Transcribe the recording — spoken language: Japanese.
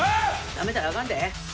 ナメたらあかんで！